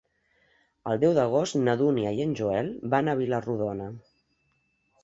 El deu d'agost na Dúnia i en Joel van a Vila-rodona.